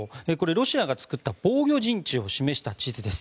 ロシアが作った防御陣地を示した地図です。